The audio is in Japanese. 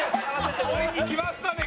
「取りにきましたね